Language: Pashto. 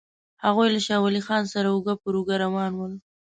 هغوی له شاه ولي خان سره اوږه پر اوږه روان ول.